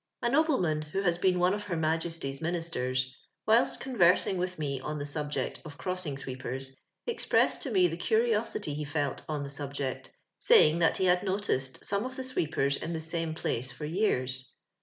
A no bleman, whohas been one of her IVI^jesty'sMin istcrs, whilst conversing with me on the sub ject of crossing sweepers, expressed to me tlie curiosity ho felt on the subject, saying that he hnd noticed some of the sweepers in the same placo for years.